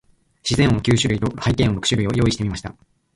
自然音九種類と、背景音六種類を用意してみました。